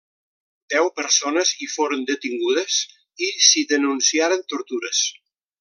Deu persones hi foren detingudes, i s'hi denunciaren tortures.